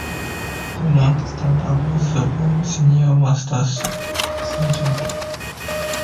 The rank stands above that of senior master sergeant.